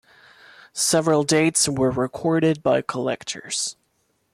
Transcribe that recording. Several dates were recorded by collectors.